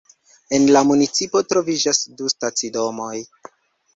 En la municipo troviĝas du stacidomoj.